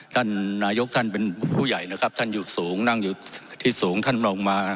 ท่านนายกท่านเป็นผู้ใหญ่นะครับท่านอยู่สูงนั่งอยู่ที่สูงท่านมองมา